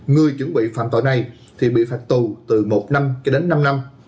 người chuẩn bị phạm tội này thì bị phạt tù từ một năm cho đến năm năm